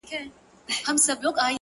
• پر تاخچو, پر صندوقونو پر کونجونو,